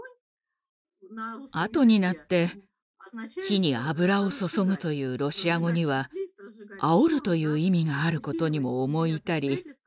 あとになって「火に油を注ぐ」というロシア語には「煽る」という意味があることにも思い至り